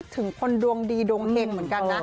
ถึงคนดวงดีดวงเห็งเหมือนกันนะ